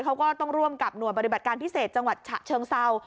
เขาก็ต้องร่วมกับหน่วยปฏิบัติการพิเศษจังหวัดฉะเชิงเศร้า